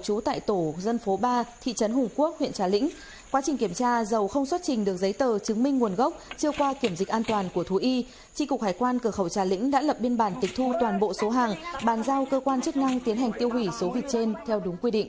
cơ quan chức năng tiến hành tiêu hủy số vịt trên theo đúng quy định